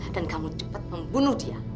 dan kamu cepat membunuh dia